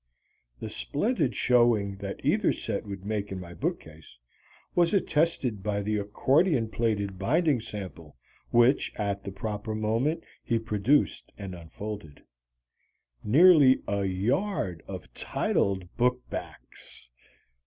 The splendid showing that either set would make in my bookcase was attested by the accordion plaited binding sample which at the proper moment he produced and unfolded. Nearly a yard of titled book backs!